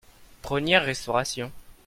Première restauration.